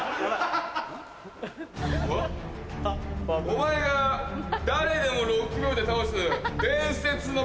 お前が誰でも６秒で倒す。